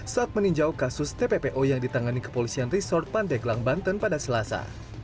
saat meninjau kasus tppo yang ditangani kepolisian resort pandeglang banten pada selasa